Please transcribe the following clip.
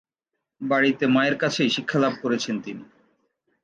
বাড়িতে মায়ের কাছেই শিক্ষালাভ করেছেন তিনি।